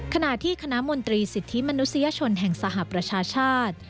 ขณะที่คณะมนตรีสิทธิมนุษยชนแห่งสหประชาชาติ